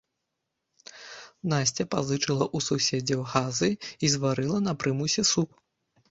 Насця пазычыла ў суседзяў газы і зварыла на прымусе суп.